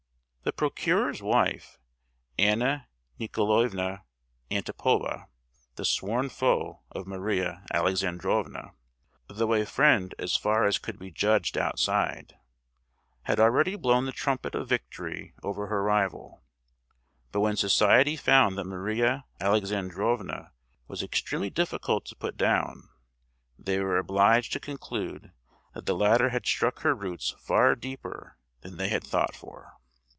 The procurer's wife, Anna Nicolaevna Antipova, the sworn foe of Maria Alexandrovna, though a friend so far as could be judged outside, had already blown the trumpet of victory over her rival! But when Society found that Maria Alexandrovna was extremely difficult to put down, they were obliged to conclude that the latter had struck her roots far deeper than they had thought for.